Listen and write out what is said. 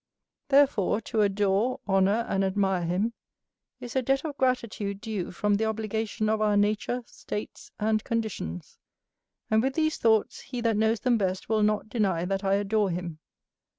Therefore to adore, honour, and admire him, is a debt of gratitude due from the obligation of our nature, states, and conditions: and with these thoughts he that knows them best will not deny that I adore him.